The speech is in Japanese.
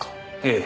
ええ。